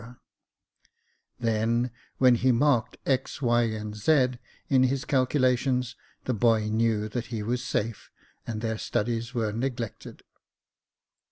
24 Jacob Faithful Then, when he marked x, y, and z, in his calculations, the boys knew that he was safe, and their studies were neglected.